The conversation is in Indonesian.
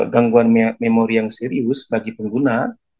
gangguan memori yang serius bagi pengguna